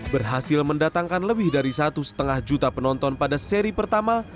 berhasil mendatangkan lebih dari satu lima juta penonton pada seri pertama